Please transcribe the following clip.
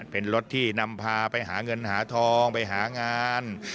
เป็นรถที่นำพาไปหาเงินหาทองไปหางาน